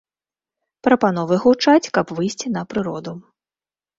Прапановы гучаць, каб выйсці на прыроду.